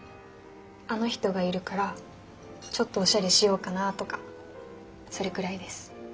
あの人がいるからちょっとおしゃれしようかなとかそれくらいです。